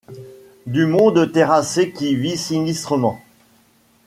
Du monde terrassé qui vit sinistrement.